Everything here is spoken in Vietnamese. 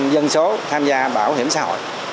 dân số tham gia bảo hiểm xã hội